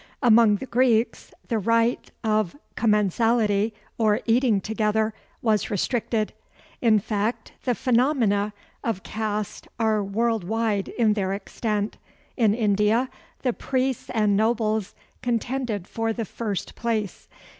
Among the Greeks the right of commensality, or eating together, was restricted. In fact, the phenomena of caste are world wide in their extent. In India the priests and nobles contended for the first place.